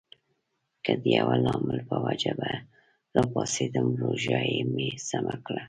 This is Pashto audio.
که د یوه لامل په وجه به راپاڅېدم، روژایې مې سمه کړله.